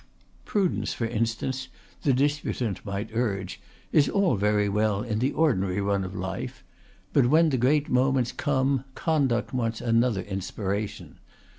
Prudence, for instance, the disputant might urge, is all very well in the ordinary run of life, but when the great moments come conduct wants another inspiration.